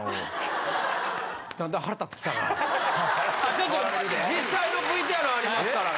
ちょっと実際のＶＴＲありますから。